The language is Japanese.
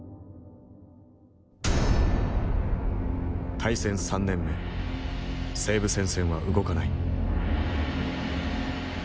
大戦３年目西部戦線は動かない。